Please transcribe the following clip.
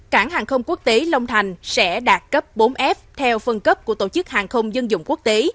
cảng hàng không quốc tế long thành sẽ đạt cấp bốn f theo phân cấp của tổ chức hàng không dân dụng quốc tế